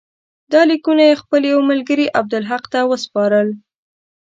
دا لیکونه یې خپل یوه ملګري عبدالحق ته وسپارل.